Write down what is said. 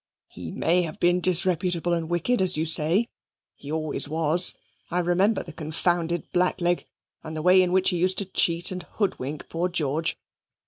He may have been disreputable and wicked, as you say. He always was. I remember the confounded blackleg and the way in which he used to cheat and hoodwink poor George.